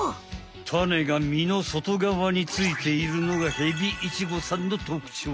タネが実のそとがわについているのがヘビイチゴさんのとくちょう。